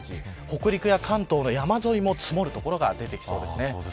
北陸や関東などの山沿いでも積もる所がありそうです。